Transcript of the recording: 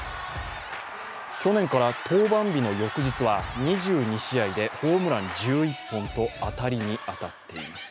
去年から登板日の翌日は２２試合でホームラン１１本と当たりに当たっています。